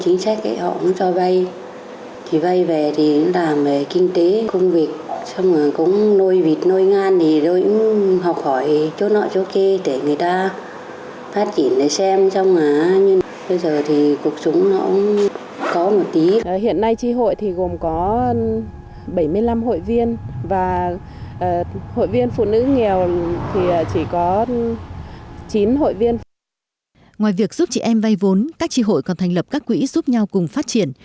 ngoài việc giúp chị em vay vốn các tri hội còn thành lập các quỹ giúp nhau cùng phát triển